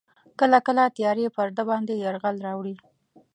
کله کله تیارې پر ده باندې یرغل راوړي.